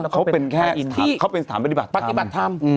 เขาเป็นแค่สถานปฏิบัติธรรม